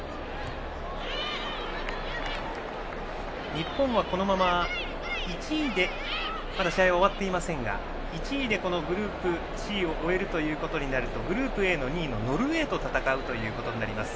日本はまだ試合は終わっていませんが１位でグループＣを終えるとなるとグループＡの２位のノルウェーと戦うことになります。